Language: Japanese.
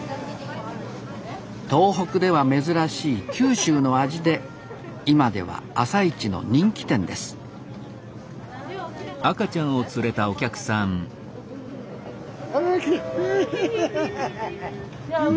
東北では珍しい九州の味で今では朝市の人気店ですあら来た！